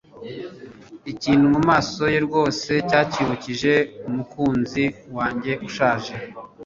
Ikintu mumaso ye rwose cyanyibukije umukunzi wanjye ushaje.